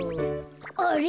あれ？